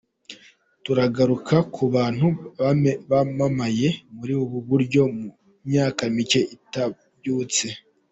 Turagaruka ku bantu bamamaye muri ubu buryo mu myaka micye itambutse.